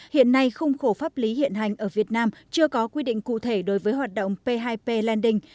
hiện nay khung khổ pháp lý hiện hành ở việt nam chưa có quy định cụ thể đối với hoạt động p hai p lending